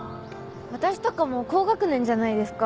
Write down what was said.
私とかもう高学年じゃないですか。